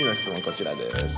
こちらです。